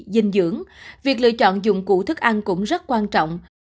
dinh dưỡng việc lựa chọn dụng cụ thức ăn cũng rất quan trọng